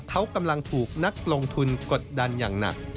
เขากำลังถูกนักลงทุนกดดันอย่างหนัก